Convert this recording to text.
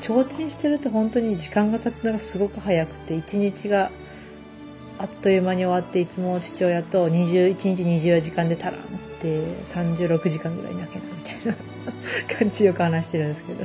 提灯してるとほんとに時間がたつのがすごく早くて１日があっという間に終わっていつも父親と１日２４時間じゃ足らんって３６時間ぐらいなきゃなみたいな感じでよく話してるんですけど。